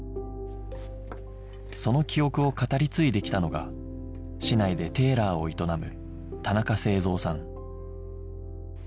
その記憶を語り継いできたのが市内でテーラーを営む田中誠三さん